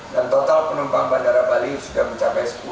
dan total penumpang bandara bali sudah mencapai sepuluh delapan